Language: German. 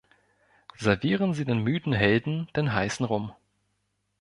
Servieren Sie den müden Helden den heißen Rum.